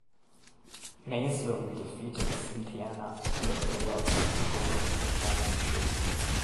Maysville defeated Cynthiana in the playoffs to win the championship.